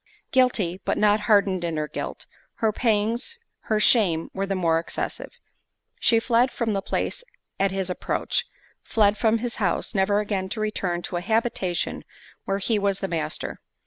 Guilty, but not hardened in her guilt, her pangs, her shame were the more excessive. She fled from the place at his approach; fled from his house, never again to return to a habitation where he was the master.